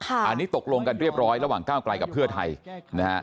อันนี้ตกลงกันเรียบร้อยระหว่างก้าวไกลกับเพื่อไทยนะฮะ